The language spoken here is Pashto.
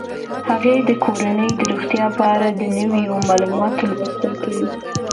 هغې د کورنۍ د روغتیا په اړه د نویو معلوماتو لوستل کوي.